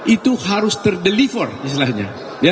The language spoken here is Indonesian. itu harus ter deliver istilahnya